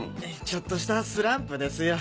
ちょっとしたスランプですよ